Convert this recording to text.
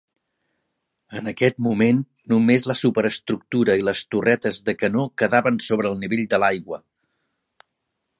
En aquest moment només la superestructura i les torretes de canó quedaven sobre el nivell de l'aigua.